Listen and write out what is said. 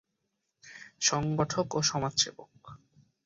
সংগঠক ও সমাজসেবক।